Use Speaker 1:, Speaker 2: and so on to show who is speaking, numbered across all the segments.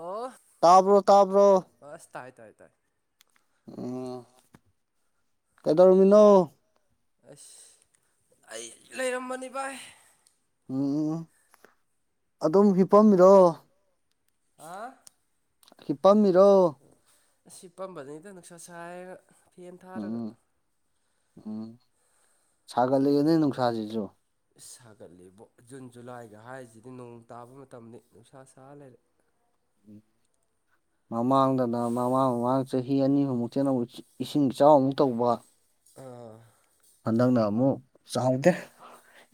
Speaker 1: Of
Speaker 2: ꯇꯥꯕ꯭ꯔꯣ ꯇꯥꯕ꯭ꯔꯣ
Speaker 1: ꯑꯁ ꯇꯥꯏ ꯇꯣꯏꯥꯏ ꯇꯥꯏ
Speaker 2: ꯎ ꯀꯩꯗꯔꯃꯤꯅꯣ
Speaker 1: ꯑꯁ ꯑꯩ ꯂꯩꯔꯝꯕꯅꯤ ꯚꯥꯏ
Speaker 2: ꯎꯝ ꯑꯗꯨꯝ ꯍꯤꯐꯝꯝꯃꯤꯗꯣ
Speaker 1: ꯍꯥ
Speaker 2: ꯄꯝꯃꯤꯔꯣ
Speaker 1: ꯑꯁꯤ ꯄꯝꯕꯗꯩꯗ ꯅꯨꯡꯁꯥ ꯁꯥꯏꯔꯒ ꯐꯦꯟ ꯊꯥꯔꯒ
Speaker 2: ꯎꯝ ꯎꯝ ꯁꯥꯒꯠꯂꯛꯒꯅꯦ ꯅꯨꯡꯁꯥꯁꯤꯁꯨ
Speaker 1: ꯁꯥꯒꯠꯂꯤꯕꯣ ꯖꯨꯟ ꯖꯨꯂꯥꯏꯒ ꯍꯥꯏꯔꯤꯁꯤꯗꯤ ꯅꯣꯡ ꯇꯥꯕ ꯃꯇꯝꯅꯤ ꯅꯨꯡꯁꯥ ꯁꯥ ꯂꯩꯔꯦ
Speaker 2: ꯃꯃꯥꯡꯗꯅ ꯃꯃꯥꯡ ꯃꯃꯥꯡꯗ ꯆꯍꯤ ꯑꯅꯤꯃꯃꯨꯛꯇꯦꯅ ꯑꯃꯨꯛ ꯏꯁꯤꯡ ꯏꯆꯥꯎ ꯑꯃꯨꯛ ꯇꯧꯕ
Speaker 1: ꯑꯥ
Speaker 2: ꯍꯟꯗꯛꯅ ꯑꯃꯨꯛ ꯆꯥꯍꯧꯗꯦ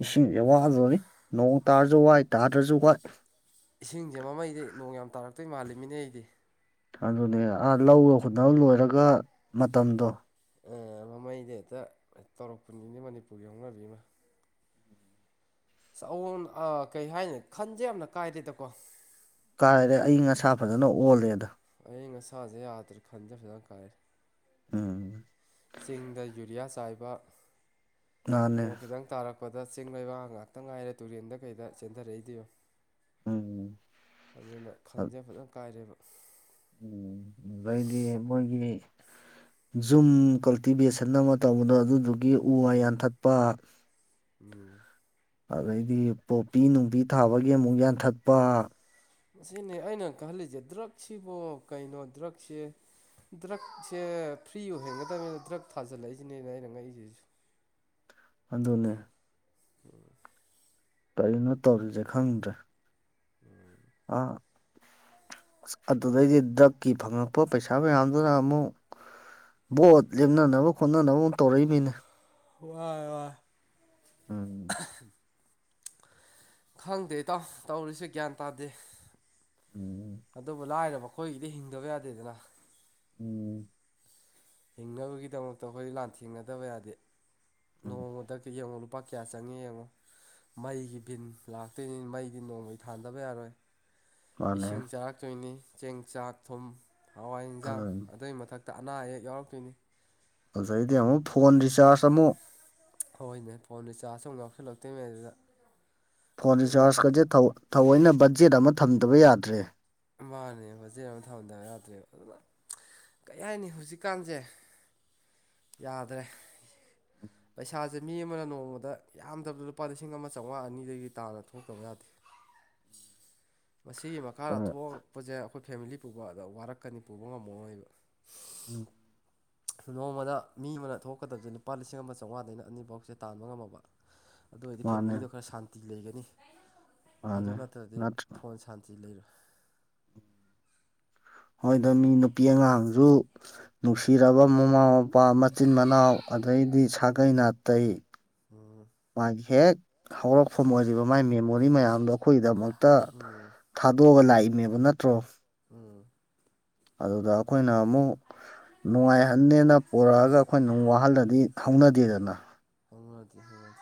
Speaker 2: ꯏꯁꯤꯡꯁꯦ ꯋꯥꯗꯕꯅꯤ ꯅꯣꯡ ꯇꯥꯔꯁꯨ ꯋꯥꯏ ꯇꯥꯗ꯭ꯔꯁꯨ ꯋꯥꯏ
Speaker 1: ꯏꯁꯤꯡꯁꯦ ꯃꯃꯩꯗꯤ ꯅꯣꯡ ꯌꯥꯝ ꯇꯥꯔꯛꯇꯣꯏ ꯃꯥꯜꯂꯤꯃꯤꯅꯦ ꯑꯩꯗꯤ
Speaker 2: ꯑꯗꯨꯅꯦ ꯑꯥ ꯂꯧꯒ ꯈꯨꯅ ꯂꯣꯏꯔꯒ ꯃꯇꯝꯗꯣ
Speaker 1: ꯃꯃꯩꯗꯤ ꯍꯦꯛꯇ ꯇꯧꯔꯛꯄꯅꯤꯅꯦ ꯃꯅꯤꯄꯨꯔꯒꯤ ꯍꯧꯅꯕꯤꯃ ꯆꯋꯣꯟ ꯀꯩ ꯍꯥꯏꯅꯤ ꯈꯟꯁꯦ ꯌꯥꯝꯅ ꯀꯥꯏꯗꯦꯗꯀꯣ
Speaker 2: ꯀꯥꯏꯔꯔꯦ ꯑꯩ ꯑꯁꯥ ꯐꯖꯅ ꯑꯣꯜꯂꯦ ꯑꯗ
Speaker 1: ꯑꯩ ꯑꯁꯥꯁꯦ ꯌꯥꯗ꯭ꯔꯥ ꯈꯟꯗ ꯈꯤꯖ ꯀꯥꯏꯔꯦ
Speaker 2: ꯎꯝ
Speaker 1: ꯆꯤꯡꯗ ꯌꯨꯔꯤꯌꯥ ꯆꯥꯏꯕ
Speaker 2: ꯃꯥꯅꯦ
Speaker 1: ꯅꯣꯡ ꯈꯤꯇꯪ ꯇꯥꯔꯛꯄ ꯂꯄꯗ ꯆꯤꯡ ꯂꯩꯕꯥꯛ ꯉꯥꯛꯇ ꯉꯥꯏꯔꯦ ꯇꯨꯔꯦꯟꯗ ꯀꯩꯗ ꯆꯦꯟꯊꯔꯛꯏꯗꯨꯕꯣ
Speaker 2: ꯎꯝ
Speaker 1: ꯑꯗꯨꯅ ꯈꯟꯁꯦ ꯐꯖꯅ ꯀꯥꯏꯔꯦꯕ
Speaker 2: ꯎꯝ ꯑꯗꯩꯗꯤ ꯃꯣꯏꯒꯤ ꯖꯨꯝ ꯀꯜꯇꯤꯚꯦꯁꯟ ꯑꯃ ꯇꯧꯕꯗꯣ ꯑꯗꯨꯗꯨꯒꯤ ꯎ ꯋꯥ ꯌꯥꯟꯊꯠꯄ
Speaker 1: ꯎꯝ
Speaker 2: ꯑꯗꯩꯗꯤ ꯄꯣꯄꯤ ꯅꯨꯡꯕꯤ ꯊꯥꯕꯒꯤ ꯑꯃꯨꯛ ꯌꯥꯟꯊꯠꯄ
Speaker 1: ꯑꯁꯤꯅꯤ ꯑꯩꯅ ꯈꯜꯂꯤꯁꯦ ꯗ꯭ꯔꯛꯁꯤꯕꯨ ꯀꯩꯅꯣ ꯗ꯭ꯔꯛꯁꯦ ꯗ꯭ꯔꯛꯁꯦ ꯐ꯭ꯔꯤ ꯑꯣꯏꯍꯟꯒꯗꯕꯅꯤꯅ ꯗ꯭ꯔꯛ ꯊꯥꯖꯤꯜꯂꯛꯏꯁꯤꯅꯦꯅ ꯑꯩꯅ ꯉꯛꯁꯤꯁꯨ
Speaker 2: ꯑꯗꯨꯅꯦ
Speaker 1: [unintelligible]
Speaker 2: ꯀꯔꯤꯅꯣ ꯇꯧꯔꯤꯁꯦ ꯈꯪꯗ꯭ꯔꯦ
Speaker 1: ꯎꯝ
Speaker 2: ꯑꯥ ꯑꯁ ꯑꯗꯨꯗꯩꯗꯤ ꯗ꯭ꯔꯛꯀꯤ ꯐꯪꯉꯛꯄ ꯄꯩꯁꯥ ꯃꯌꯥꯝꯗꯨꯅ ꯑꯃꯨꯛ ꯕꯣꯠ ꯂꯦꯝꯅꯅꯕ ꯈꯣꯠꯅꯅꯕ ꯑꯃꯨꯛ ꯇꯧꯔꯛꯏꯅꯤꯅꯦ
Speaker 1: ꯋꯥꯏ ꯋꯥꯏ
Speaker 2: ꯎꯝ
Speaker 1: ꯈꯪꯗꯦ ꯏꯇꯥꯎ ꯇꯧꯔꯤꯁꯦ ꯒ꯭ꯌꯥꯟ ꯇꯥꯗꯦ
Speaker 2: ꯎꯝ
Speaker 1: ꯑꯗꯨꯕꯨ ꯂꯥꯏꯔꯕ ꯑꯩꯈꯣꯏꯒꯤꯗꯤ ꯍꯤꯡꯗꯕ ꯌꯥꯗꯦꯗꯅ
Speaker 2: ꯎꯝ
Speaker 1: ꯍꯤꯡꯅꯕꯒꯤꯗꯃꯛꯇ ꯑꯩꯈꯣꯏ ꯂꯥꯟ ꯊꯦꯡꯅꯗꯕ ꯌꯥꯗꯦ
Speaker 2: ꯎꯝ
Speaker 1: ꯅꯣꯡꯃꯗ ꯌꯦꯡꯉꯨ ꯂꯨꯄꯥ ꯀꯌꯥ ꯆꯪꯉꯤ ꯌꯦꯡꯉꯣ ꯃꯩꯒꯤ ꯚꯟ ꯂꯥꯛꯇꯣꯏꯅꯤ ꯃꯩꯗꯤ ꯅꯣꯡꯃꯩ ꯊꯥꯟꯗꯕ ꯌꯥꯔꯣꯏ
Speaker 2: ꯃꯥꯅꯦ
Speaker 1: ꯏꯁꯤꯡ ꯆꯥꯔꯛꯇꯣꯏꯅꯤ ꯆꯦꯡ ꯆꯥꯛ ꯊꯨꯝ ꯍꯋꯥꯏ ꯏꯟꯁꯥꯡ
Speaker 2: ꯑꯗꯨꯅꯤ
Speaker 1: ꯑꯗꯨꯏ ꯃꯊꯛ ꯍ ꯑꯅꯥ ꯑꯌꯦꯛ ꯌꯥꯎꯔꯛꯇꯣꯏꯅꯤ
Speaker 2: ꯑꯗꯩꯗꯤ ꯑꯃꯨꯛ ꯐꯣꯟ ꯔꯤꯆꯥꯔꯖ ꯑꯃꯨꯛ
Speaker 1: ꯍꯣꯏꯅꯦ ꯐꯣꯟꯗ ꯆꯥꯔꯖ ꯑꯃꯨꯛ ꯌꯥꯎꯁꯤꯜꯂꯛꯇꯣꯏꯅꯦ ꯑꯗꯨꯗ
Speaker 2: ꯐꯣꯟ
Speaker 1: ꯑꯗꯨꯅ
Speaker 2: ꯔꯤꯆꯥꯔꯖꯀꯁꯦ ꯊꯑꯣꯏꯅ ꯕꯖꯦꯠ ꯑꯃ ꯊꯝꯗꯕ ꯌꯥꯗ꯭ꯔꯦ
Speaker 1: ꯃꯥꯅꯦ ꯐꯕꯖꯦꯠ ꯑꯃ ꯊꯝꯍꯟꯗꯕ ꯌꯥꯗ꯭ꯔꯦꯕ ꯑꯗꯨꯅ ꯀꯔꯤ ꯍꯥꯏꯅꯤ ꯍꯧꯖꯤꯛꯀꯥꯟꯁꯦ ꯌꯥꯗ꯭ꯔꯦ
Speaker 2: [inaudible]
Speaker 1: ꯄꯩꯁꯥꯁꯦ ꯃꯤ ꯑꯃꯅ ꯅꯣꯡꯃꯗ ꯌꯥꯝꯗ꯭ꯔꯕꯗ ꯂꯨꯄꯥ ꯂꯤꯁꯤꯡ ꯑꯃ ꯆꯥꯝꯃꯉꯥ ꯑꯅꯤꯗꯒꯤ ꯇꯥꯅ ꯊꯣꯛꯇꯕ ꯌꯥꯗꯦ
Speaker 2: [inaudible]
Speaker 1: ꯃꯁꯤꯒꯤ ꯃꯈ
Speaker 2: ꯑ
Speaker 1: ꯃꯈꯥꯗ ꯊꯣꯛꯂꯛꯄꯁꯦ ꯑꯩꯈꯣꯏ ꯐꯦꯃꯤꯂꯤ ꯄꯨꯕ ꯋꯥꯔꯛꯀꯅꯤ ꯄꯨꯕ ꯉꯝꯃꯛꯑꯣꯏꯕ
Speaker 2: ꯎꯝ
Speaker 1: ꯅꯣꯡꯃꯗ ꯃꯤ ꯑꯃꯅ ꯊꯣꯛꯀꯗꯕꯁꯦ ꯂꯨꯄꯥ ꯂꯤꯁꯤꯡ ꯑꯃ ꯆꯥꯝꯃꯉꯥꯗꯩꯅ ꯑꯅꯤꯐꯧꯁꯦ ꯇꯥꯟꯕ ꯉꯝꯃꯕ ꯑꯗꯨ ꯑꯣꯏꯔꯗꯤ
Speaker 2: ꯃꯥꯅꯦ
Speaker 1: ꯐꯦꯃꯤꯂꯤꯗꯣ ꯈꯔ ꯁꯥꯟꯇꯤ ꯂꯩꯒꯅꯤ ꯑꯗꯨ
Speaker 2: ꯃꯥꯅꯦ
Speaker 1: ꯅꯠꯇ꯭ꯔꯗꯤ
Speaker 2: ꯅꯠꯇ꯭ꯔ
Speaker 1: ꯐꯣꯟ ꯁꯥꯟꯇꯤ ꯂꯩꯔꯣꯏ
Speaker 2: ꯍꯣꯏꯗ ꯃꯤ ꯅꯨꯄꯤ ꯑꯉꯥꯡꯁꯨ ꯅꯨꯡꯁꯤꯔꯕ ꯃꯃꯥ ꯃꯄꯥ ꯃꯆꯤꯟ ꯃꯅꯥꯎ ꯑꯗꯩꯗꯤ ꯁꯥꯒꯩ ꯅꯥꯇꯩ
Speaker 1: ꯎꯝ
Speaker 2: ꯃꯥꯒꯤ ꯍꯦꯛ ꯍꯧꯔꯛꯐꯝ ꯑꯣꯏꯔꯤꯕ ꯃꯥꯏ ꯃꯦꯃꯣꯔꯤ ꯃꯌꯥꯝꯗꯣ ꯑꯩꯈꯣꯏꯒꯤꯗꯃꯛꯇ
Speaker 1: ꯎꯝ
Speaker 2: ꯊꯥꯗꯣꯛꯑꯒ ꯂꯥꯛꯏꯅꯦꯕ ꯅꯠꯇ꯭ꯔꯣ
Speaker 1: ꯎꯝ
Speaker 2: ꯑꯗꯨꯒ ꯑꯩꯈꯣꯏꯅ ꯑꯃꯨꯛ ꯅꯨꯡꯉꯥꯏꯍꯟꯅꯦꯅ ꯄꯨꯔꯛꯑꯒ ꯑꯩꯈꯣꯏꯅ ꯑꯃꯨꯛ ꯋꯥꯍꯜꯂꯗꯤ ꯊꯧꯅꯗꯦꯗꯅ
Speaker 1: ꯍꯧꯅꯗ‌ꯦ ꯍꯧꯅꯗ‌ꯦ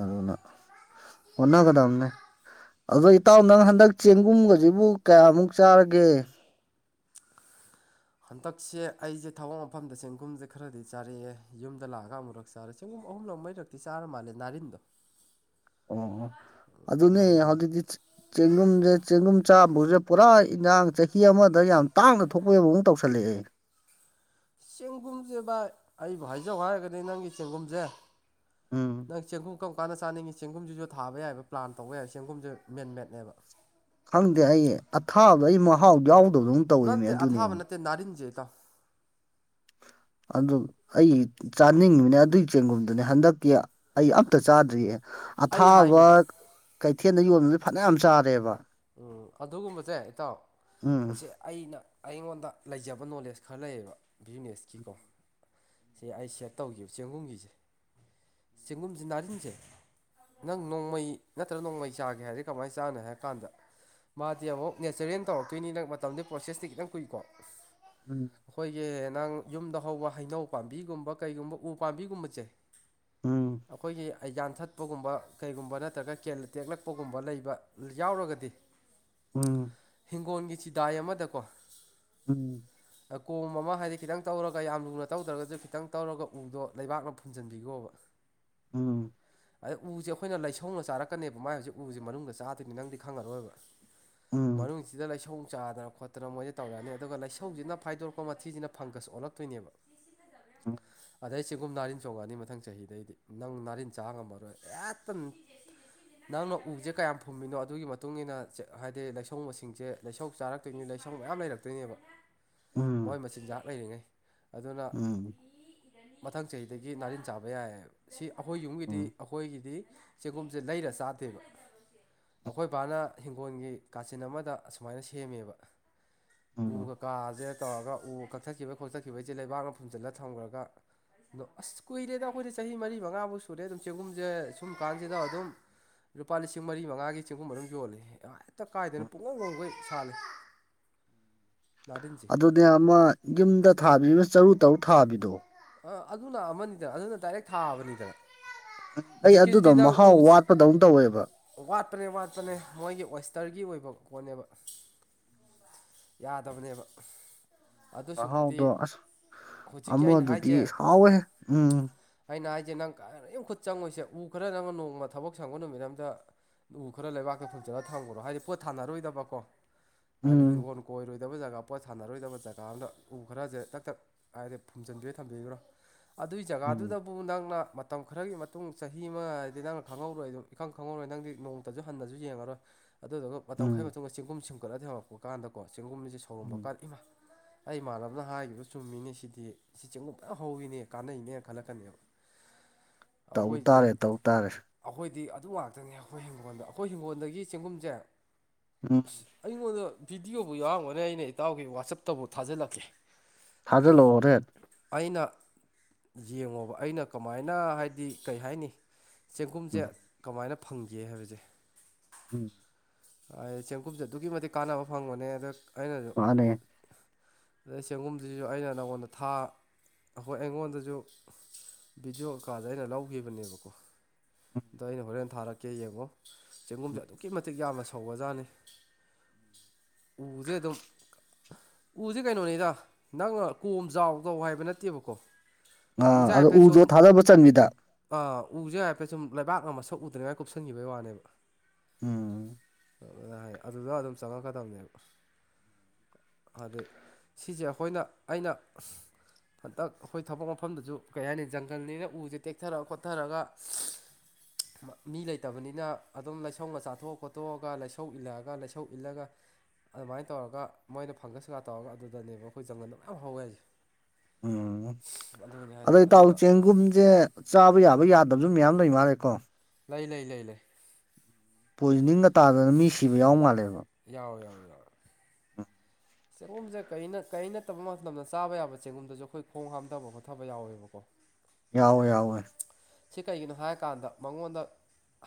Speaker 2: ꯑꯗꯨꯅ ꯍ‌ꯣꯠꯅꯒꯗꯝꯅꯦ ꯑꯗꯣ ꯏꯇꯥꯎ ꯅꯪ ꯍꯟꯗꯛ ꯆꯦꯡꯒꯨꯝꯒꯁꯤꯕꯨ ꯀꯌꯥꯃꯨꯛ ꯆꯥꯔꯒꯦ
Speaker 1: ꯍꯟꯗꯛꯁꯦ ꯑꯩꯁꯦ ꯊꯕꯛ ꯃꯐꯝꯗ ꯆꯦꯡꯒꯨꯝꯁꯦ ꯈꯔꯗꯤ ꯆꯥꯔꯛꯑꯦ ꯌꯨꯝꯗ ꯂꯥꯛꯑꯒ ꯑꯃꯨꯔꯛ ꯆꯥꯔꯦ ꯁꯦꯡꯒꯨꯝ ꯑꯍꯨꯝꯂꯛ ꯃꯔꯤꯔꯛꯇꯤ ꯆꯥꯔ ꯃꯥꯜꯂꯦ ꯅꯥꯔꯤꯟꯗꯣ
Speaker 2: ꯑꯣ ꯑꯗꯨ ꯅ‌ꯣꯏ
Speaker 1: ꯅꯥꯔꯤꯟꯗꯣ
Speaker 2: ꯍꯧꯖꯤꯛꯇꯤ ꯆꯦꯡꯒꯨꯝꯁꯦ ꯆꯦꯡꯒꯨꯝ ꯆꯥꯕꯒꯁꯦ ꯄꯨꯔꯥ ꯏꯟꯖꯥꯡ ꯆꯍꯤ ꯑꯃꯗ ꯌꯥꯝ ꯇꯥꯡꯅ ꯊꯣꯛꯄꯒꯤ‌ ꯃ‌ꯑꯣꯡ ꯇꯧꯁꯜꯂꯛꯑꯦ
Speaker 1: ꯆꯦꯡꯒꯨꯝꯁꯦ ꯚꯥꯏ ꯑꯩꯕꯨ ꯍꯥꯏꯖꯧ ꯍꯥꯏꯔꯒꯗꯤ ꯅꯪꯒꯤ ꯆꯦꯡꯒꯨꯝꯁꯦ
Speaker 2: ꯎꯝ
Speaker 1: ꯅꯪ ꯆꯦꯡꯒꯨꯝ ꯀꯔꯝ ꯀꯥꯟꯗ ꯆꯥꯅꯤꯡꯉꯤ ꯆꯦꯡꯒꯨꯝꯁꯤꯁꯨ ꯊꯥꯕ ꯌꯥꯏꯑꯕ ꯄ꯭ꯂꯥꯟ ꯇꯧꯕ ꯌꯥꯏ ꯆꯦꯡꯒꯨꯝꯁꯨꯦ ꯃꯦꯟ ꯃꯦꯠꯅꯦꯕ
Speaker 2: ꯈꯪꯗꯦ ꯑꯩ ꯑꯊꯥꯕꯗ ꯑꯩ ꯃꯍꯥꯎ ꯌꯥꯎꯗꯕꯗ
Speaker 1: ꯅꯠꯇꯦ ꯑꯊꯕ ꯅꯠꯇꯦ ꯅꯔꯤꯟꯁꯦꯇ
Speaker 2: ꯑꯗꯨ ꯑꯩ ꯆꯥꯅꯤꯡꯉꯤꯕꯅꯦ ꯑꯗꯨꯒꯤ ꯆꯦꯡꯒꯨꯝꯗꯨꯅꯦ ꯍꯟꯗꯛꯀꯤ ꯑꯩ ꯑꯝꯇ ꯆꯥꯗ꯭ꯔꯤꯑ
Speaker 1: ꯑꯩ
Speaker 2: ꯑꯊꯥꯕ
Speaker 1: ꯍꯥꯏꯒꯦ
Speaker 2: ꯀꯩꯊꯦꯜꯗ ꯌꯣꯟꯕꯁ ꯐꯅ ꯌꯥꯝ ꯆꯥꯔꯦꯕ
Speaker 1: ꯎꯝ ꯑꯗꯨꯒꯨꯝꯕꯁꯦ ꯏꯇꯥꯎ
Speaker 2: ꯎꯝ
Speaker 1: ꯃꯁꯤ ꯑꯩꯅ ꯑꯩꯉꯣꯟꯗ ꯂꯩꯖꯕ ꯅꯣꯂꯦꯖ ꯈꯔ ꯂꯩꯌꯦꯕ ꯕꯤꯖꯤꯅꯦꯁꯀꯤꯀꯣ ꯁꯤ ꯑꯩ ꯁꯦꯠ ꯇꯧꯈꯤꯕ ꯆꯦꯡꯒꯨꯝꯒꯤꯁꯦ ꯆꯦꯡꯒꯨꯝꯁꯦ ꯅꯥꯔꯤꯟꯁꯦ ꯅꯪ ꯅꯣꯡꯃꯩ ꯅꯠꯇ꯭ꯔꯒ ꯅꯣꯡꯃꯩ ꯆꯥꯒꯦ ꯍꯥꯏꯔꯗꯤ ꯀꯃꯥꯏꯅ ꯆꯥꯅ ꯍꯥꯏ ꯀꯥꯟꯗ ꯃꯥꯗꯤ ꯑꯃꯨꯛ ꯅꯦꯆꯔꯦꯜ ꯇꯧꯔꯛꯇꯣꯏꯅꯤ ꯅꯪ ꯃꯇꯝꯗꯨ ꯄ꯭ꯔꯣꯁꯦꯁꯇꯤ ꯈꯤꯇꯪ ꯀꯨꯏꯀꯣ
Speaker 2: ꯎꯝ
Speaker 1: ꯑꯩꯈꯣꯏꯒꯤ ꯅꯍꯪ ꯌꯨꯝꯗ ꯍꯧꯕ ꯍꯩꯅꯧ ꯄꯥꯝꯕꯤꯒꯨꯝꯕ ꯀꯩꯒꯨꯝꯕ ꯎ ꯄꯥꯝꯕꯤꯒꯨꯝꯕꯁꯦ
Speaker 2: ꯎꯝ
Speaker 1: ꯑꯩꯈꯣꯏꯒꯤ ꯑꯩ ꯌꯥꯟꯊꯠꯄꯒꯨꯝꯕ ꯀꯩꯒꯨꯝꯕ ꯅꯠꯇ꯭ꯔꯒ ꯀꯦꯜꯂ ꯇꯦꯛꯂꯛꯄꯒꯨꯝꯕ ꯂꯩꯕ ꯌꯥꯎꯔꯒꯗꯤ
Speaker 2: ꯎꯝ
Speaker 1: ꯍꯤꯡꯒꯣꯜꯒꯤ ꯆꯤꯗꯥꯏ ꯑꯃꯗꯀꯣ
Speaker 2: ꯎꯝ
Speaker 1: ꯀꯣꯝ ꯑꯃ ꯍꯥꯏꯗꯤ ꯈꯤꯇꯪ ꯇꯧꯔꯒ ꯌꯥꯝ ꯂꯨꯅ ꯇꯧꯗ꯭ꯔꯒꯁꯨ ꯈꯤꯇꯪ ꯇꯧꯔꯒ ꯎꯗꯣ ꯂꯩꯕꯥꯛꯅ ꯐꯨꯟꯖꯟꯕꯤꯈꯣꯕ
Speaker 2: ꯎꯝ
Speaker 1: ꯑꯗ ꯎꯁꯦ ꯑꯩꯈꯣꯏꯅ ꯂꯩꯁꯧꯅ ꯆꯥꯔꯛꯀꯅꯦꯕ ꯃꯥꯏ ꯍꯧꯖꯤꯛ ꯎꯁꯦ ꯃꯅꯨꯡꯗ ꯆꯥꯗꯣꯏꯅꯤ ꯅꯪꯗꯤ ꯈꯪꯉꯔꯣꯏꯕ
Speaker 2: ꯎꯝ
Speaker 1: ꯃꯅꯨꯡꯁꯤꯗ ꯂꯩꯁꯧ ꯆꯥꯗꯅ ꯈꯣꯠꯇ ꯅꯠꯇꯅ ꯃꯣꯏꯁꯦ ꯇꯧꯔꯛꯑꯅꯤ ꯑꯗꯨꯒ ꯂꯩꯁꯧꯁꯤꯅ ꯐꯥꯏꯗꯣꯔꯛꯄ ꯃꯊꯤꯁꯤꯅ ꯐꯪꯒꯁ ꯑꯣꯜꯂꯛꯇꯣꯏꯅꯦꯕ
Speaker 2: ꯑ
Speaker 1: ꯑꯗꯩ ꯁꯤꯒꯨꯝ ꯅꯥꯔꯤꯟ ꯆꯣꯡꯉꯛꯑꯅꯤ ꯃꯊꯪ ꯆꯍꯤꯗꯩꯗꯤ ꯅꯪ ꯅꯥꯔꯤꯟ ꯆꯥ ꯉꯝꯃꯔꯣꯏ ꯍꯦꯛꯇꯝ ꯅꯪꯅ ꯎꯁꯦ ꯀꯌꯥꯝ ꯐꯨꯝꯃꯤꯅꯣ ꯑꯗꯨꯒꯤ ꯃꯇꯨꯡ ꯏꯟꯅ ꯍꯥꯏꯗꯤ ꯂꯥꯏꯁꯧ ꯃꯁꯤꯡꯁꯦ ꯂꯩꯁꯧ ꯆꯥꯔꯛꯇꯣꯏꯅꯤ ꯂꯥꯏꯁꯧ ꯃꯌꯥꯝ ꯂꯩꯔꯛꯇꯣꯏꯅꯦꯕ ꯃꯣꯏ
Speaker 2: ꯎꯝ
Speaker 1: ꯃꯆꯤꯟꯖꯥꯛ ꯂꯩꯔꯤꯉꯩ ꯑꯗꯨꯅ
Speaker 2: ꯎꯝ
Speaker 1: ꯃꯊꯪ ꯆꯍꯤꯗꯒꯤ ꯅꯥꯔꯤꯟ ꯆꯥꯕ ꯌꯥꯏꯕ ꯁꯤ ꯑꯩꯈꯣꯏ
Speaker 2: ꯎꯝ
Speaker 1: ꯌꯨꯝꯒꯤꯗꯤ
Speaker 2: ꯎꯝ
Speaker 1: ꯑꯩꯈꯣꯏꯒꯤꯗꯤ ꯆꯦꯒꯨꯝꯁꯦ ꯂꯩꯔ ꯆꯥꯗꯦꯕ ꯑꯩꯈꯣꯏꯕꯥꯅ ꯍꯤꯡꯒꯣꯜꯒꯤ ꯀꯥꯆꯤꯟ ꯑꯃꯗ ꯑꯁꯨꯃꯥꯏꯅ ꯁꯦꯝꯃꯦꯕ
Speaker 2: ꯎꯝ ꯎꯝ
Speaker 1: ꯎꯒ ꯀꯥꯁꯦ ꯇꯧꯔꯒ ꯎ ꯀꯛꯊꯠꯈꯤꯕ ꯈꯣꯠꯆꯠꯈꯤꯕ ꯑꯩꯁꯦ ꯂꯩꯕꯥꯛꯅ ꯐꯨꯝꯖꯤꯜꯂ ꯊꯝꯈ꯭ꯔꯒ ꯑꯗꯣ ꯑꯁ ꯀꯨꯏꯔꯦꯗ ꯑꯩꯈꯣꯏꯅ ꯆꯍꯤ ꯃꯔꯤ ꯃꯉꯥꯃꯥꯎ ꯁꯨꯔꯦ ꯑꯗꯨꯝ ꯆꯦꯒꯨꯝꯁꯦ ꯁꯨꯝ ꯀꯥꯟꯁꯤꯗ ꯑꯗꯨꯝ ꯂꯨꯄꯥ ꯂꯤꯁꯤꯡ ꯃꯔꯤ ꯃꯉꯥꯒꯤ ꯆꯦꯡꯒꯨꯝ ꯃꯔꯔꯝ ꯌꯣꯜꯂꯦ ꯍꯦꯛꯇ ꯀꯥꯏꯗꯅ ꯄꯨꯡꯍꯈꯈꯣꯏ ꯁꯥꯜꯂꯤꯦ ꯅꯥꯗꯤꯟꯁꯦ
Speaker 2: ꯑꯗꯨꯅꯦ ꯑꯃ ꯌꯨꯝꯗ ꯊꯥꯕꯤꯔꯤꯕꯅ ꯆꯔꯨ ꯇꯔꯨꯛ ꯊꯥꯕꯤꯗꯣ
Speaker 1: ꯑ ꯑꯗꯨꯅ ꯑꯃꯅꯤꯗꯅ ꯑꯗꯨꯅ ꯗꯥꯏꯔꯦꯛ ꯊꯥꯕꯅꯤꯗꯅ
Speaker 2: ꯎꯝ ꯑꯩ ꯑꯗꯨꯗꯣ
Speaker 1: ꯍꯧꯖꯤꯛꯀꯤꯁꯤꯗꯤ ꯅꯪ
Speaker 2: ꯃꯍꯥꯎ
Speaker 1: ꯎꯁꯤ
Speaker 2: ꯋꯥꯠꯄꯗꯧꯅ ꯇꯧꯋꯦꯕ
Speaker 1: ꯋꯥꯠꯄꯅꯦ ꯋꯥꯠꯄꯅꯦ ꯃꯣꯏꯒꯤ ꯋꯦꯁꯇꯔꯒꯤ ꯑꯣꯏꯕ ꯀꯣꯅꯦꯕ ꯌꯥꯗꯕꯅꯦꯕ ꯑꯗꯨꯁꯨꯄꯨꯗꯤ
Speaker 2: ꯃꯍꯥꯎꯗꯣ
Speaker 1: ꯍꯧꯖꯤꯛꯀꯤ ꯑꯩꯅ ꯍꯥꯏꯖꯦ
Speaker 2: ꯍꯑꯣꯦ ꯎꯝ
Speaker 1: ꯍꯥꯏꯩꯅ ꯍꯥꯏꯁꯦ ꯅꯪ ꯀ ꯈꯨꯠ ꯆꯪꯉꯣꯏꯁꯦ ꯎ ꯈꯔ ꯅꯪꯅ ꯅꯣꯡꯃ ꯊꯕꯛ ꯁꯪꯕ ꯅꯨꯃꯤꯠ ꯑꯝꯇ ꯎ ꯈꯔ ꯂꯩꯕꯥꯛꯇ ꯐꯪꯖꯂꯒ ꯊꯝꯈ꯭ꯔꯣ ꯍꯥꯏꯗꯤ ꯄꯣꯠ ꯊꯥꯅꯔꯣꯏꯗꯕꯀꯣ ꯍꯥꯏꯗꯤ
Speaker 2: ꯎꯝ
Speaker 1: ꯍꯤꯡꯒꯣꯜ ꯀꯣꯏꯔꯣꯏꯗꯕ ꯖꯒꯥ ꯄꯣꯠ ꯁꯥꯟꯅꯔꯣꯏꯗꯕ ꯖꯒꯥ ꯑꯝꯗ ꯎ ꯈꯔꯁꯦ ꯇꯛ ꯊꯛ ꯍꯥꯏꯗꯤ ꯐꯨꯝꯖꯤꯟꯕꯤ ꯊꯝꯕꯤꯈ꯭ꯔꯣ ꯑꯗꯨꯒꯤ
Speaker 2: ꯎꯝ
Speaker 1: ꯖꯒꯥꯗꯨꯗ ꯗꯨꯕꯨ ꯅꯪꯅ ꯃꯇꯝ ꯈꯔꯒꯤ ꯃꯇꯨꯡ ꯆꯍꯤ ꯑꯃ ꯍꯥꯏꯗꯤ ꯅꯪꯅ ꯈꯪꯍꯧꯔꯣꯏ ꯗꯨꯝ ꯏꯈꯪ ꯈꯪꯍꯧꯔꯣꯏ ꯅꯪꯗꯤ ꯅꯣꯡ ꯇꯁꯨ ꯍꯟꯅꯁꯨ ꯌꯦꯡꯉꯔꯣꯏ꯫ ꯑꯗꯨꯗꯨꯒ ꯃꯇꯝꯈꯩ
Speaker 2: ꯎꯝ
Speaker 1: ꯃꯇꯨꯡ ꯆꯦꯡꯒꯨꯝ ꯁꯦꯝꯒꯠꯂ ꯍꯧꯔꯛꯄ ꯀꯥꯟꯗꯀꯣ ꯆꯦꯡꯒꯨꯝꯁꯦ ꯁꯧꯔꯝꯕ
Speaker 2: ꯎꯝ
Speaker 1: ꯀꯥꯟ ꯏꯃꯥ ꯑꯩ ꯏꯃꯥꯟꯅꯕꯅ ꯍꯥꯏꯈꯤꯕ ꯆꯨꯝꯃꯤꯅꯤ ꯁꯤꯗꯤ꯫ ꯁꯤ ꯆꯦꯡꯒꯨꯝ ꯐ ꯍꯧꯋꯤꯅꯦ ꯀꯥꯟꯅꯩꯅꯦ ꯈꯜꯂꯛꯀꯅꯦꯕ꯫
Speaker 2: ꯇꯧ ꯇꯥꯔꯦ ꯇꯧ ꯇꯥꯔꯦ
Speaker 1: ꯑꯈꯣꯏꯗꯤ ꯑꯗꯨ ꯉꯥꯛꯇꯅꯤ ꯑꯈꯣꯏ ꯍꯤꯡꯒꯣꯜꯗ ꯑꯈꯣꯏ ꯍꯤꯡꯒꯣꯜꯗꯒꯤ ꯆꯦꯡꯒꯨꯝꯁꯦ ꯑꯁ
Speaker 2: ꯎꯝ
Speaker 1: ꯑꯩꯉꯣꯟꯗ ꯚꯗꯤꯑꯣꯕꯨ ꯌꯥꯎꯔꯒꯅꯤ ꯑꯩꯅ ꯏꯇꯥꯎꯒꯤ ꯋꯥꯆꯞꯇꯕꯨ ꯊꯥꯖꯤꯜꯂꯛꯀꯦ꯫
Speaker 2: ꯊꯖꯜꯂꯣꯔꯦ
Speaker 1: ꯑꯩꯅ ꯌꯦꯡꯉꯣꯕ ꯑꯩꯅ ꯀꯃꯥꯏꯅ ꯍꯥꯏꯗꯤ ꯀꯩ ꯍꯥꯏꯅꯤ ꯆꯦꯡꯒꯨꯝꯁꯦ
Speaker 2: ꯎꯝ
Speaker 1: ꯀꯃꯥꯏꯅ ꯐꯪꯒꯦ ꯍꯥꯏꯕꯁꯦ
Speaker 2: [unintelligible]
Speaker 1: ꯑꯩ ꯆꯦꯡꯀꯨꯞꯁꯦ ꯑꯗꯨꯛꯀꯤ ꯃꯇꯤꯛ ꯀꯥꯟꯅꯕ ꯐꯪꯕꯅꯦ ꯑꯗ ꯑꯩꯅꯁꯨ
Speaker 2: ꯃꯥꯅꯦ
Speaker 1: ꯑꯗꯩꯩ ꯆꯦꯡꯒꯨꯝꯁꯤꯁꯨ ꯑꯩꯅ ꯅꯪꯉꯣꯟꯗ ꯊꯥ ꯈꯣꯏ ꯑꯩꯉꯣꯟꯗꯁꯨ ꯕꯤꯗꯤꯑꯣ ꯀꯥꯁꯦ ꯑꯩꯅ ꯂꯧꯈꯤꯕꯅꯦꯕꯀꯣ꯫ ꯗꯣ ꯑꯩꯅ ꯍꯣꯔꯦꯟ ꯊꯥꯔꯛꯀꯦ ꯌꯦꯡꯉꯣ꯫ ꯆꯦꯡꯒꯨꯝꯁꯦ ꯑꯗꯨꯛꯀꯤ ꯃꯇꯤꯛ ꯌꯥꯝꯅ ꯁꯧꯕꯖꯥꯠꯅꯤ꯫ ꯎꯁꯦ ꯑꯗꯨꯝ ꯎꯁꯦ ꯀꯩꯅꯣꯅꯤꯗ ꯅꯪꯅ ꯀꯣꯝ ꯖꯥꯎ ꯀꯧ ꯍꯥꯏꯕ ꯅꯠꯇꯦꯕꯀꯣ꯫
Speaker 2: ꯑꯥ ꯑꯗꯣ ꯎꯗꯣ ꯊꯥꯗꯕ ꯆꯟꯕꯤꯗ
Speaker 1: ꯑꯥ ꯎꯁꯦ ꯍꯥꯏꯐꯦꯠ ꯁꯨꯝ ꯂꯩꯕꯥꯛꯅ ꯃꯁꯛ ꯎꯗ꯭ꯔꯤꯉꯥꯏ ꯀꯨꯞꯁꯤꯟꯈꯤꯕꯩ ꯋꯥꯅꯦꯕ꯫
Speaker 2: ꯎꯝ
Speaker 1: ꯑꯗꯨꯗ ꯑꯗꯨꯝ ꯆꯪꯉꯛꯀꯗꯕꯅꯦꯕ꯫ ꯑꯗꯩꯩ ꯁꯤꯁꯦ ꯑꯈꯣꯏꯅ ꯑꯩꯅ ꯍꯟꯇꯛ ꯑꯈꯣꯏ ꯊꯕꯛ ꯃꯐꯝꯗꯁꯨ ꯀꯩ ꯍꯥꯏꯅꯤ ꯖꯪꯒꯜꯅꯤꯅ ꯎꯁꯦ ꯇꯦꯛꯊꯔ ꯈꯣꯠꯊꯔꯒ ꯃꯤ ꯂꯩꯇꯕꯅꯤꯅ ꯑꯗꯨꯝ ꯂꯩꯁꯧꯅ ꯆꯥꯊꯣꯛ ꯈꯣꯠꯇꯣꯛꯑꯒ ꯂꯥꯏꯁꯧ ꯏꯜꯂꯛꯑꯒ ꯂꯩꯁꯧ ꯏꯜꯂꯒ ꯑꯗꯨꯃꯥꯏ ꯇꯧꯔꯒ ꯃꯣꯏꯅ ꯐꯪꯒꯁꯀ ꯇꯧꯔꯒ ꯑꯗꯨꯗꯅꯦꯕ ꯑꯈꯣꯏ ꯖꯒꯜꯗ ꯃꯌꯥꯝ ꯍꯧꯋꯦ ꯍꯥꯏꯁꯦ꯫
Speaker 2: ꯎꯝ
Speaker 1: ꯑꯗꯨꯅꯤ
Speaker 2: ꯑꯗꯣ
Speaker 1: ꯍꯥꯏꯁꯦ
Speaker 2: ꯏꯇꯥꯎ
Speaker 1: ꯑꯗꯨꯅ
Speaker 2: ꯆꯦꯡꯒꯨꯝꯁꯦ ꯆꯥꯕ ꯌꯥꯕ ꯌꯥꯗꯕꯁꯨ ꯃꯌꯥꯝ ꯂꯩ ꯃꯥꯜꯂꯦꯀꯣ꯫
Speaker 1: ꯂꯩ ꯂꯩ ꯂꯩ ꯂꯩ
Speaker 2: ꯄꯣꯏꯖꯅꯤꯡꯒ ꯇꯥꯗꯅ ꯃꯤ ꯁꯤꯕ ꯌꯥꯎ ꯃꯥꯜꯂꯦꯕ꯫
Speaker 1: ꯌꯥꯎ ꯌꯥꯎ ꯌꯥꯎ ꯆꯦꯡꯒꯨꯝꯁꯦ ꯀꯩꯅ ꯀꯩ ꯅꯠꯇꯕ ꯃꯇꯝꯗ ꯆꯥꯕ ꯌꯥꯕ ꯆꯦꯡꯒꯨꯝꯗꯁꯨ ꯈꯣꯏ ꯈꯣꯡ ꯍꯥꯝꯊꯕ ꯈꯣꯠꯊꯕ ꯌꯥꯎꯋꯦꯕꯀꯣ꯫
Speaker 2: ꯌꯥꯎꯋꯦ ꯌꯥꯎꯋꯦ
Speaker 1: ꯁꯤ ꯀꯩꯒꯤꯅꯣ ꯍꯥꯏꯀꯥꯟꯗ ꯃꯉꯣꯟꯗ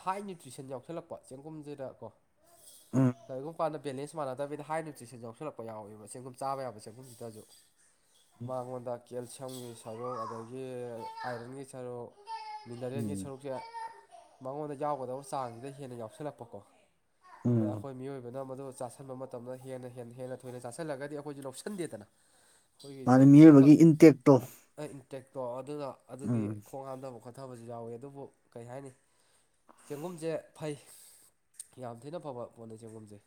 Speaker 1: ꯍꯥꯏ ꯅ꯭ꯌꯨꯇ꯭ꯔꯤꯁꯟ ꯌꯥꯎꯁꯜꯂꯛꯄ ꯆꯦꯡꯒꯨꯝꯁꯤꯗꯀꯣ
Speaker 2: ꯎꯝ
Speaker 1: ꯀꯩꯒꯨꯝ ꯄꯥꯗ ꯕꯦꯂꯦꯟꯁ ꯃꯥꯅꯗꯕꯤꯗ ꯍꯥꯏ ꯅ꯭ꯌꯨꯇ꯭ꯔꯤꯁꯟ ꯌꯥꯎꯁꯤꯜꯂꯛꯄ ꯌꯥꯎꯋꯦꯕ ꯆꯦꯡꯒꯨꯝ ꯆꯥꯕ ꯌꯥꯕ ꯆꯦꯡꯒꯨꯝꯁꯤꯗꯁꯨ꯫ ꯃꯉꯣꯟꯗ ꯀꯦꯜꯁꯤꯌꯝꯒꯤ ꯁꯔꯨꯛ ꯑꯗꯒꯤ ꯑꯥꯏꯔꯟꯒꯤ ꯁꯔꯨꯛ ꯃꯤꯅꯔꯦꯜꯒꯤ
Speaker 2: ꯎꯝ
Speaker 1: ꯁꯔꯨꯛꯁꯦ ꯃꯉꯣꯟꯗ ꯌꯥꯎꯒꯗꯕ ꯆꯥꯡꯁꯤꯗ ꯍꯦꯟꯅ ꯌꯥꯎꯁꯜꯂꯛꯄꯀꯣ
Speaker 2: [inaudible]
Speaker 1: ꯑꯗ ꯑꯩꯈꯣꯏ ꯃꯤꯑꯣꯏꯕꯅ ꯃꯗꯨ ꯆꯥꯥꯁꯟꯕ ꯃꯇꯝꯗ ꯍꯦꯟꯅ ꯍꯦꯟꯅ ꯍꯦꯟꯅ ꯊꯣꯏꯅ ꯆꯥꯁꯜꯂꯒꯗꯤ ꯑꯈꯣꯏꯁꯨ ꯂꯧꯁꯟꯗꯦꯗꯅ꯫
Speaker 2: ꯃꯥꯅ ꯃꯤꯑꯣꯏꯕꯒꯤ ꯏꯟꯇꯦꯛꯇꯣ꯫
Speaker 1: ꯑꯩ ꯏꯟꯇꯦꯛꯇꯣ ꯑꯗꯨꯅ ꯑꯗꯨꯒꯤ
Speaker 2: ꯎꯝ
Speaker 1: ꯈꯣꯡ ꯍꯥꯝꯊꯕ ꯈꯣꯊꯕꯁꯨ ꯌꯥꯎꯏ ꯑꯗꯨꯕꯨ ꯀꯩ ꯍꯥꯏꯅꯤ ꯆꯦꯡꯒꯨꯝꯁꯦ ꯐꯩ ꯌꯥꯝ ꯊꯤꯅ ꯐꯕ ꯄꯣꯠꯅꯤ ꯆꯦꯡꯒꯨꯝꯁꯦ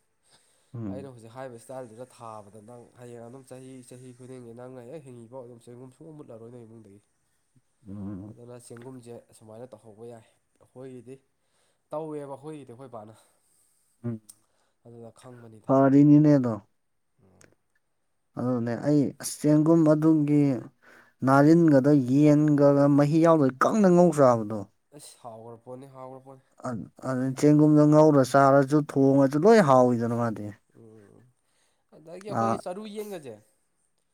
Speaker 2: ꯎꯝ
Speaker 1: ꯑꯩꯅ ꯍꯨꯖꯤꯛ ꯍꯥꯏꯕ ꯁꯇꯥꯏꯜꯗꯨꯗ ꯊꯥꯕꯗ ꯅꯪ ꯍꯌꯦꯡ ꯑꯗꯨꯝ ꯆꯍꯤ ꯆꯍꯤ ꯈꯨꯗꯤꯡꯒꯤ ꯅꯪꯅ ꯍꯦꯛ ꯍꯤꯡꯉꯤꯐꯥꯎ ꯑꯗꯨꯝ ꯆꯦꯡꯒꯨꯝ ꯃꯨꯠꯂꯔꯣꯏꯗꯅꯦ
Speaker 2: [inaudible]
Speaker 1: ꯑꯗꯨꯅ ꯆꯦꯡꯒꯨꯝꯁꯦ ꯑꯁꯨꯃꯥꯏꯅ ꯇꯧꯍꯧꯕ ꯌꯥꯏ ꯑꯈꯣꯏꯒꯤꯗꯤ ꯇꯧꯋꯦꯕ ꯑꯈꯣꯏꯒꯤꯗꯤ ꯈꯣꯏ ꯕꯥꯅ꯫
Speaker 2: [inaudible]
Speaker 1: ꯑꯗꯨꯗꯥ ꯈꯪꯕꯅꯤ
Speaker 2: ꯐꯥꯔꯤꯅꯤꯅꯦ ꯑꯗꯣ
Speaker 1: [unintelligible]
Speaker 2: ꯑꯗꯨꯅꯦ ꯑꯩ ꯑꯁ ꯆꯦꯡꯒꯨꯝ ꯑꯗꯨꯒꯤ ꯅꯥꯔꯤꯟꯒꯗꯣ ꯌꯦꯟꯒꯥꯒ ꯃꯍꯤ ꯌꯥꯎꯗꯥꯕꯤ ꯀꯪꯅ ꯉꯧ ꯆꯥꯕꯗꯣ
Speaker 1: ꯑꯩꯁ ꯍꯥꯎꯒ꯭ꯔꯥꯄꯣꯠꯅꯤ ꯍꯥꯎꯒ꯭ꯔꯥꯄꯣꯠꯅꯤ
Speaker 2: ꯑꯗꯨ ꯆꯦꯡꯒꯨꯝꯗꯣ ꯉꯧꯔ ꯆꯥꯔꯁꯨ ꯊꯣꯡꯉꯖꯨ ꯂꯣꯏ ꯍꯥꯎꯏꯤꯗꯥꯅ ꯃꯥꯗꯤ
Speaker 1: ꯎꯝ ꯑꯗꯥꯒꯤ
Speaker 2: ꯑꯥ
Speaker 1: ꯑꯩꯈꯣꯏꯒꯤ ꯆꯥꯔꯨ ꯌꯦꯟꯒꯥꯖꯦ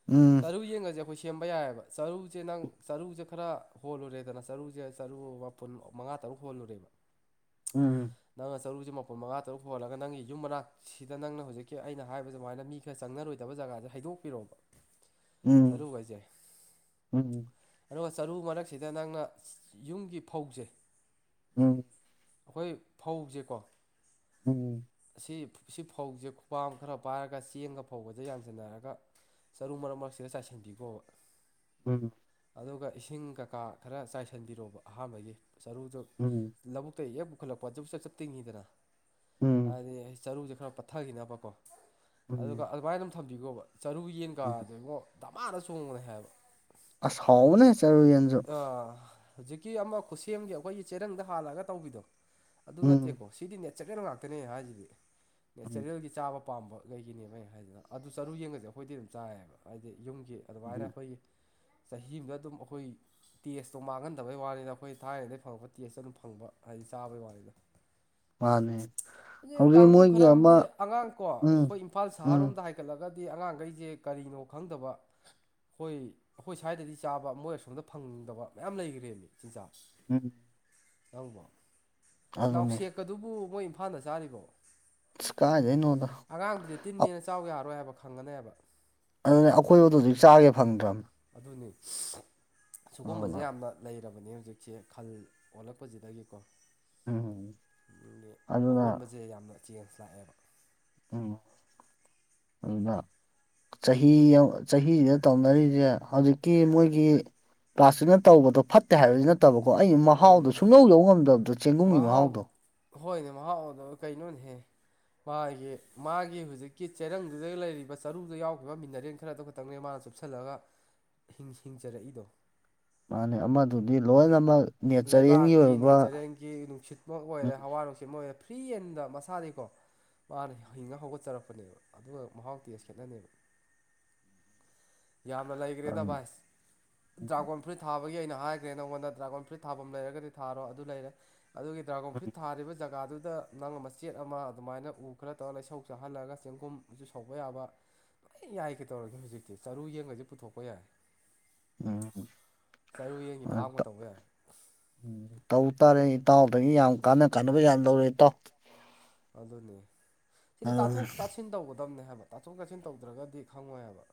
Speaker 2: ꯎꯝ
Speaker 1: ꯆꯥꯔꯨ ꯌꯦꯟꯒꯥꯖꯦ ꯑꯩꯈꯣꯏ ꯁꯦꯝꯕ ꯌꯥꯏꯕ ꯆꯥꯔꯨꯖꯦ ꯅꯪ ꯆꯥꯔꯨꯖꯦ ꯈꯔ ꯍꯣꯜꯂꯨꯔꯦꯗꯥꯅ ꯆꯥꯔꯨꯖꯦ ꯆꯥꯔꯨ ꯃꯥꯄꯨꯟ ꯃꯉꯥ ꯇꯔꯨꯛ ꯍꯣꯜꯂꯨꯔꯦꯕ
Speaker 2: [inaudible] ꯎꯝ
Speaker 1: ꯅꯪꯅ ꯆꯥꯔꯨꯛꯖꯤ ꯃꯥꯄꯨꯜ ꯃꯉꯥ ꯇꯔꯨꯛ ꯍꯣꯜꯂꯒꯥ ꯅꯪꯒꯤ ꯌꯨꯝ ꯃꯅꯥꯛ ꯁꯤꯗꯥ ꯅꯪꯅ ꯍꯧꯖꯤꯛꯀꯤ ꯑꯩꯅ ꯍꯥꯏꯕ ꯁꯨꯃꯥꯏꯅ ꯃꯤ ꯈꯔ ꯆꯪꯅꯔꯣꯏꯗꯥꯕ ꯖꯒꯥꯁꯦ ꯍꯩꯗꯣꯛꯄꯤꯔꯣꯕ
Speaker 2: ꯎꯝ
Speaker 1: ꯆꯥꯔꯨꯒꯩꯖꯦ
Speaker 2: [unintelligible]
Speaker 1: ꯑꯗꯨꯒꯥ ꯆꯥꯔꯨ ꯃꯔꯛꯁꯤꯗꯥ ꯅꯪꯅ ꯌꯨꯝꯒꯤ ꯐꯧꯖꯦ
Speaker 2: ꯎꯝ
Speaker 1: ꯑꯩꯈꯣꯏ ꯐꯧꯖꯦꯀꯣ
Speaker 2: ꯎꯝ
Speaker 1: ꯑꯁꯤ ꯁꯤ ꯐꯧꯖꯦ ꯈꯨꯄꯥꯝ ꯈꯔ ꯄꯥꯏꯔꯒ ꯆꯦꯡꯒꯥ ꯐꯧꯒꯥꯖꯤ ꯌꯥꯟꯖꯤꯟꯅꯔꯒꯥ ꯆꯥꯔꯨ ꯃꯔꯛ ꯃꯔꯛꯁꯤꯗꯥ ꯆꯥꯏꯁꯤꯟꯕꯤꯒꯣꯕ
Speaker 2: ꯎꯝ
Speaker 1: ꯑꯗꯨꯒꯥ ꯏꯁꯤꯡ ꯀꯩꯀꯥ ꯈꯔ ꯆꯥꯏꯁꯤꯟꯕꯤꯔꯣꯕ ꯑꯍꯥꯟꯕꯒꯤ ꯆꯥꯔꯨꯗꯨ
Speaker 2: ꯎꯝ
Speaker 1: ꯂꯧꯕꯨꯛꯇꯥꯒꯤ ꯍꯦꯛ ꯄꯨꯈꯠꯂꯛꯄ ꯆꯞ ꯆꯞ ꯇꯤꯡꯉꯤꯗꯥꯅ
Speaker 2: ꯎꯝ
Speaker 1: ꯍꯥꯏꯗꯤ ꯆꯥꯔꯨꯖꯦ ꯈꯔ ꯄꯠꯊꯥꯈꯤꯅꯕꯀꯣ ꯑꯗꯨꯒꯥ
Speaker 2: ꯎꯝ
Speaker 1: ꯑꯗꯨꯃꯥꯏꯅ ꯑꯗꯨꯝ ꯊꯝꯕꯤꯒꯣꯕ ꯆꯥꯔꯨ ꯌꯦꯟ
Speaker 2: ꯎꯝ
Speaker 1: ꯇꯥꯗꯦꯉꯣ ꯗꯃꯥꯗꯥ ꯆꯣꯡꯒ꯭ꯔꯦ ꯍꯥꯏꯕ
Speaker 2: ꯑꯁ ꯍꯦꯎꯕꯅꯦ ꯆꯥꯔꯨ ꯌꯦꯟꯗꯣ
Speaker 1: ꯑꯥ ꯍꯧꯖꯤꯛꯀꯤ ꯑꯃ ꯈꯨꯠꯁꯦꯝꯒꯤ ꯑꯩꯈꯣꯏꯒꯤ ꯆꯦꯔꯪꯗ ꯍꯥꯜꯂꯒꯥ ꯇꯧꯕꯤꯗꯣ ꯑꯗꯨ ꯅꯠꯇꯦ
Speaker 2: ꯎꯝ
Speaker 1: ꯑꯣ ꯁꯤꯗꯤ ꯅꯦꯆꯥꯔꯦꯜ ꯉꯥꯛꯇꯅꯦ ꯑꯩ ꯍꯥꯏꯖꯤꯗꯤ
Speaker 2: ꯎꯝ
Speaker 1: ꯅꯦꯆꯔꯦꯜꯒꯤ ꯆꯥꯕ ꯄꯥꯥꯝꯕꯒꯩꯒꯤꯅꯦꯕ ꯑꯩꯅ ꯍꯥꯏꯗꯨꯅ ꯑꯗꯨ ꯆꯥꯔꯨ ꯌꯦꯡꯒꯥꯁꯦ ꯑꯩꯈꯣꯏꯗꯤ ꯑꯗꯨꯝ ꯆꯥꯏꯌꯦꯕ ꯍꯥꯏꯗꯤ ꯌꯨꯝꯒꯤ ꯑꯗꯨꯃꯥꯏꯅ
Speaker 2: ꯎꯝ
Speaker 1: ꯑꯩꯈꯣꯏꯒꯤ ꯆꯍꯤ ꯑꯃꯗꯥ ꯑꯗꯨꯝ ꯑꯩꯈꯣꯏ ꯇꯦꯁꯇꯣ ꯃꯥꯡꯍꯟꯗꯕꯩ ꯋꯥꯅꯤꯗꯥ ꯑꯩꯈꯣꯏ ꯊꯥꯏꯅꯗꯩ ꯐꯪꯉꯛꯄ ꯇꯦꯁꯇꯣ ꯑꯗꯨꯝ ꯐꯪꯕ ꯍꯥꯏꯗꯤ ꯆꯥꯕꯩ ꯋꯥꯅꯤꯗꯥ
Speaker 2: ꯃꯥꯅꯦ ꯍꯧꯖꯤꯛ
Speaker 1: ꯀꯥꯡꯕꯨ
Speaker 2: ꯃꯣꯏꯒꯤ
Speaker 1: ꯈꯔ
Speaker 2: ꯑꯃ
Speaker 1: ꯑꯃꯗꯤ ꯑꯉꯥꯡ ꯀꯣ
Speaker 2: ꯎꯝ
Speaker 1: ꯑꯩꯈꯣꯏ ꯏꯝꯐꯥꯜ ꯁꯍꯥꯔ
Speaker 2: ꯎꯝ
Speaker 1: ꯔꯣꯝꯗꯥ ꯍꯥꯏ ꯍꯥꯏꯒꯠꯂꯒꯥꯗꯤ ꯑꯉꯥꯡꯈꯩꯖꯦ ꯀꯔꯤꯅꯣ ꯈꯪꯗꯕ ꯍꯣꯏ ꯑꯩꯈꯣꯏ ꯁ꯭ꯋꯥꯏꯗꯥꯗꯤ ꯆꯥꯕ ꯃꯣꯏ ꯑꯁꯣꯝꯗꯥ ꯐꯪꯗꯕ ꯃꯌꯥꯝ ꯂꯩꯒ꯭ꯔꯦꯅꯦ ꯆꯤꯟꯖꯥꯛ
Speaker 2: ꯎꯝ
Speaker 1: ꯅꯪꯕꯣ
Speaker 2: ꯑꯗꯨꯅꯦ
Speaker 1: ꯅꯥꯎꯁꯦꯛꯀꯥꯗꯨꯕꯨ ꯃꯣꯏ ꯏꯝꯐꯥꯜꯗ ꯆꯥꯔꯤꯕꯣ
Speaker 2: ꯑꯁ ꯀꯥꯏꯗꯩꯅꯣꯗꯥ
Speaker 1: ꯑꯉꯥꯡꯗꯨꯗꯤ ꯇꯤꯟꯅꯦꯅ ꯆꯥꯎ ꯌꯥꯔꯔꯣꯏ ꯍꯥꯏꯕ ꯈꯪꯉꯥꯅꯦꯕ
Speaker 2: ꯑꯗꯨꯅꯦ ꯑꯩꯈꯣꯏꯕꯨꯛꯇꯥ ꯍꯧꯖꯤꯛ ꯆꯥꯒꯦ ꯐꯪꯗ꯭ꯔꯕꯅꯦ
Speaker 1: ꯑꯗꯨꯅꯤ ꯁꯤꯒꯨꯝꯕꯖꯦ
Speaker 2: ꯑꯗꯨꯅ
Speaker 1: ꯌꯥꯝꯅ ꯂꯩꯔꯕꯅꯦ ꯍꯧꯖꯤꯛꯁꯦ ꯈꯜ ꯑꯣꯜꯂꯛꯄꯖꯤꯗꯥꯒꯤꯀꯣ
Speaker 2: ꯎꯝ
Speaker 1: ꯑꯗꯨꯅꯦ
Speaker 2: ꯑꯗꯨꯅ
Speaker 1: ꯑꯋꯣꯟꯕꯖꯦ ꯌꯥꯝꯅ ꯆꯦꯟꯖ ꯂꯥꯛꯑꯦꯕ
Speaker 2: ꯎꯝ ꯑꯗꯨꯗꯥ ꯆꯍꯤ ꯆꯍꯤꯁꯤꯗꯥ ꯇꯧꯅꯔꯤꯖꯦ ꯍꯧꯖꯤꯛꯀꯤ ꯃꯣꯏꯒꯤ ꯄꯂꯥꯁꯇꯤꯛꯅ ꯇꯧꯕꯗꯣ ꯐꯠꯇꯦ ꯍꯥꯏꯕꯗꯤ ꯅꯠꯇꯕꯀꯣ ꯑꯩ ꯃꯍꯥꯎꯗꯣ ꯁꯨꯡꯌꯧ ꯌꯧꯕ ꯉꯝꯗꯕꯗꯨ
Speaker 1: ꯃꯍꯥꯎ ꯍꯣꯏꯅꯦ ꯃꯍꯥꯎꯗꯣ ꯀꯩꯅꯣꯅꯦꯍꯦ ꯃꯥꯒꯤ ꯃꯥꯒꯤ ꯍꯨꯖꯤꯛꯀꯤ ꯆꯦꯔꯪꯗꯨꯗꯥꯒꯥ ꯂꯩꯔꯤꯕ ꯆꯥꯔꯨꯗꯥ ꯌꯥꯎꯒꯤꯕ ꯃꯤꯅꯔꯦꯜ ꯈꯔꯗꯣ ꯇꯡꯅꯦ ꯃꯥꯅ ꯆꯨꯞꯁꯤꯜꯂꯒꯥ ꯍꯤꯡ ꯍꯤꯡꯖꯥꯔꯛꯏꯗꯣ
Speaker 2: ꯃꯥꯅꯤ ꯑꯃꯗꯨꯗꯤ ꯂꯣꯏꯅꯥ ꯃꯛ꯫
Speaker 1: ꯂꯩꯕꯥꯛꯀꯤ ꯅꯦꯆꯔꯦꯜꯒꯤ ꯅꯨꯡꯁꯤꯠꯃꯛ ꯑꯣꯏꯔꯦ ꯍꯋꯥ ꯅꯨꯡꯁꯤꯠ ꯃꫭꯏꯅ ꯄꯤꯛꯏꯀꯥꯟꯗꯥ ꯃꯁꯥꯗꯩꯀꯣ꯫ ꯋꯥꯅ ꯍꯤꯡꯉ ꯍꯧꯒꯠꯆꯔꯛꯄꯅꯦꯕ ꯑꯗꯨꯒ ꯃꯍꯥꯎ ꯇꯦꯁ ꯈꯦꯠꯅꯅꯦꯒꯅꯤ
Speaker 2: ꯎꯝ [unintelligible]
Speaker 1: ꯌꯥꯝꯅꯥ ꯂꯩꯈ꯭ꯔꯦꯗ ꯚꯥꯏꯁ꯫ ꯗ꯭ꯔꯥꯒꯣꯟ ꯐ꯭ꯔꯨꯏꯠ ꯊꯥꯕꯒꯤ ꯑꯩꯅ ꯍꯥꯏꯈ꯭ꯔꯦ ꯅꯪꯉꯣꯟꯗ ꯗ꯭ꯔꯥꯒꯣꯟ ꯐ꯭ꯔꯨꯏꯠ ꯊꯥꯐꯝ ꯂꯩꯔꯒꯗꯤ ꯊꯥꯔꯣ ꯑꯗꯨ ꯂꯩꯔꯦ꯫ ꯑꯗꯨꯒꯤ ꯗ꯭ꯔꯥꯒꯣꯟ ꯐ꯭ꯔꯨꯏꯠ ꯊꯥꯔꯤꯕ ꯖꯒꯥꯗꯨꯗꯥ ꯅꯪꯅꯥ ꯃꯆꯦꯠ ꯑꯃ ꯑꯗꯨꯃꯥꯏꯅ ꯎ ꯈꯔ ꯇꯧꯔꯒ ꯂꯩꯁꯧ ꯆꯥꯍꯜꯂꯒ ꯆꯦꯡꯒꯨꯝꯁꯨ ꯁꯧꯕ ꯌꯥꯕ꯫ ꯂꯥꯏ ꯌꯥꯏ ꯀꯩꯗꯧꯔꯒꯦ ꯍꯧꯖꯤꯛꯇꯤ ꯆꯔꯨ ꯌꯦꯡꯉꯒꯁꯨ ꯄꯨꯊꯣꯛꯄ ꯌꯥꯏ꯫
Speaker 2: ꯎꯝ
Speaker 1: ꯆꯔꯨ ꯌꯦꯟꯒꯤ ꯐꯥꯕ ꯒꯥ ꯇꯧꯕ ꯌꯥꯏ꯫
Speaker 2: ꯎꯝ ꯇꯧ ꯇꯥꯔꯦ ꯏꯇꯥꯎꯗꯒꯤ ꯌꯥꯝ ꯀꯥꯟꯅꯥ ꯀꯥꯟꯅꯕ ꯌꯥꯝ ꯂꯧꯔꯦ ꯏꯇꯥꯎ꯫
Speaker 1: ꯑꯗꯨꯅꯤ ꯫ ꯁꯤꯗꯤ
Speaker 2: ꯑꯗꯨꯅꯦ
Speaker 1: ꯇꯥꯊꯣꯛ ꯇꯥꯁꯤꯟ ꯇꯧꯒꯗꯝꯕꯅꯦ ꯍꯥꯏꯕ ꯇꯥꯊꯣꯛ ꯇꯥꯁꯤꯟ ꯇꯧꯗ꯭ꯔꯒꯗꯤ ꯈꯪꯉꯣꯏ ꯍꯥꯏꯕꯥ꯫